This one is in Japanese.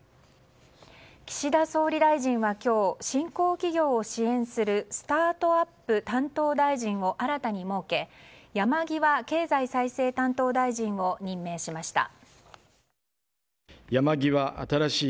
岸田総理大臣は今日新興企業を支援するスタートアップ担当大臣を新たに設け山際経済再生担当大臣を任命しました。